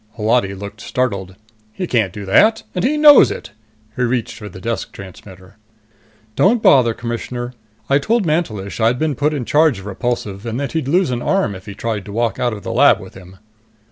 Holati looked startled. "He can't do that, and he knows it!" He reached for the desk transmitter. "Don't bother, Commissioner. I told Mantelish I'd been put in charge of Repulsive, and that he'd lose an arm if he tried to walk out of the lab with him."